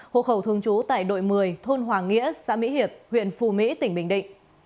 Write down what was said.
hộ khẩu thường trú tại đội một mươi thôn hòa nghĩa xã mỹ hiệp huyện phù mỹ tỉnh bình định